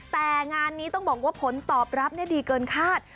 แต่งานนี้ต้องบอกว่าผลตอบรับดีเกินคาด